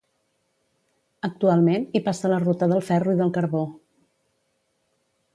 Actualment, hi passa la Ruta del Ferro i del Carbó.